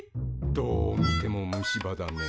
どう見ても虫歯だね。